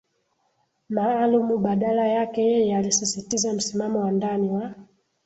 maalumu Badala yake yeye alisisitiza msimamo wa ndani wa